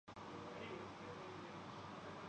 یہ تب ہی ممکن ہے۔